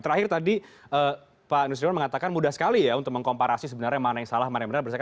terakhir tadi pak nusirwan mengatakan mudah sekali ya untuk mengkomparasi sebenarnya mana yang salah mana yang benar